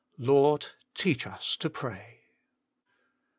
Lord, teach us to pray.